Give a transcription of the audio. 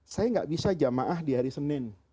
saya nggak bisa jamaah di hari senin